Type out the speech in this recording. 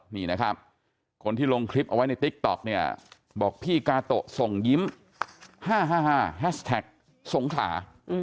นี่นะครับคนที่ลงคลิปเอาไว้ในติ๊กต๊อกเนี่ยบอกพี่กาโตะส่งยิ้ม๕๕แฮชแท็กสงขลา